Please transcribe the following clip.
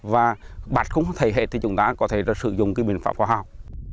và bạch không thể hết thì chúng ta có thể sử dụng cái biện pháp hóa học